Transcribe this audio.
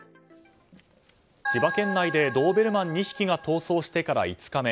千葉県内でドーベルマン２匹が逃走してから５日目。